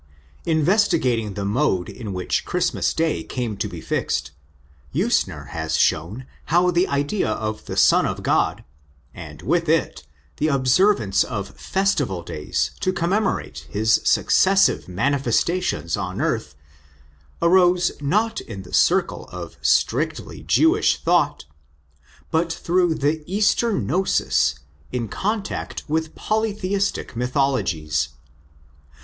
Investigating the mode in which Christmas Day came to be fixed, Usener (Religionsgeschichtliche Untersuchungen, I., 1889) has shown how the idea of the Son of God, and with it the observance of festival days to commemorate his successive mani festations on earth, arose not in the circle of strictly Jewish thought, but through the Eastern gnosis in contact with polytheistic mythologies.